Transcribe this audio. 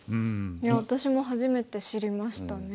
いや私も初めて知りましたね。